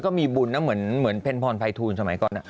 ก็มีบุญนะเหมือนเพ็ญพรภัยทูลสมัยก่อน